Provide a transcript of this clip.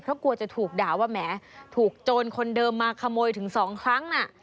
เพราะกลัวจะถูกด่าว่าแหมถูกโจรคนเดิมมาขโมยถึง๒ครั้งน่ะ